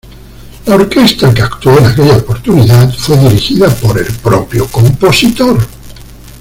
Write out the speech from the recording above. La orquesta que actuó en aquella oportunidad fue dirigida por el propio compositor.